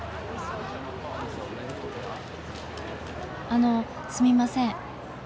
あのすみません。